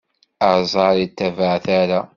Aẓar ittabaɛ tara.